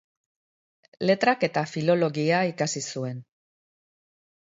Letrak eta Filologia ikasi zuen.